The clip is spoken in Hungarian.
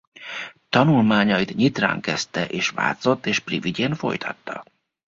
Tanulmányait Nyitrán kezdte és Vácott és Privigyén folytatta.